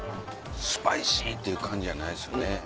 スパイシー！っていう感じじゃないですよね。